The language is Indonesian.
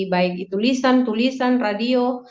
baik tulisan tulisan radio